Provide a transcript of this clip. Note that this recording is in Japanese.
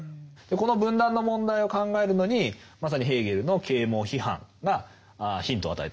この分断の問題を考えるのにまさにヘーゲルの啓蒙批判がヒントを与えてくれるということなんですね。